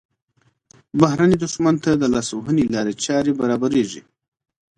بهرني دښمن ته د لاسوهنې لارې چارې برابریږي.